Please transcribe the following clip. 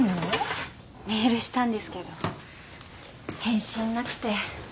メールしたんですけど返信なくて。